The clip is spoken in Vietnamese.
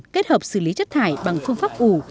kết hợp xử lý chất thải bằng phương pháp ủ